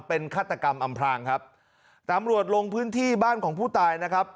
เป็นฆาตกรรมอำพลางครับตำรวจลงพื้นที่บ้านของผู้ตายนะครับ